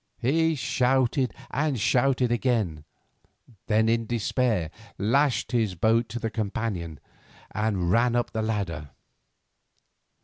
He shouted and shouted again; then in despair lashed his boat to the companion, and ran up the ladder.